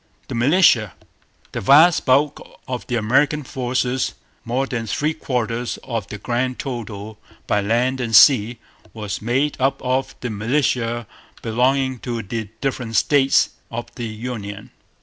The Militia. The vast bulk of the American forces, more than three quarters of the grand total by land and sea, was made up of the militia belonging to the different States of the Union.